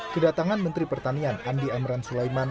kedatangan menteri pertanian andi amran sulaiman